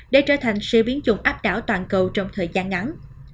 để trở thành xe biến chủng áp đảo toàn cầu trong thời gian ngắn